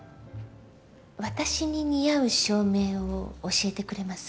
私に似合う照明を教えてくれます？